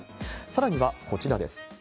さらにはこちらです。